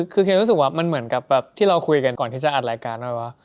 คุณคิดว่ามันเหมือนกับที่เราคุยกันก่อนอัดแรกการ